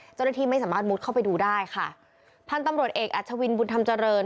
เจ้าหน้าที่ไม่สามารถมุดเข้าไปดูได้ค่ะพันธุ์ตำรวจเอกอัชวินบุญธรรมเจริญ